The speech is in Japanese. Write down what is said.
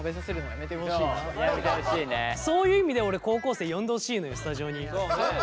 そういう意味で俺高校生呼んでほしいのよスタジオに。